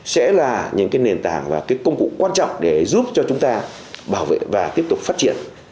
sẽ là những cái nền tảng và công cụ quan trọng để giúp cho chúng ta bảo vệ và tiếp tục phát triển